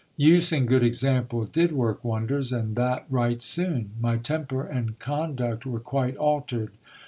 Use and good example did work wonders, and that right soon. My temper and conduct were quite altered.